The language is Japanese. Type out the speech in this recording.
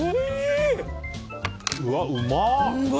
うわ、うまっ！